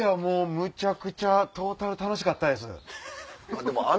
むちゃくちゃ楽しかったです。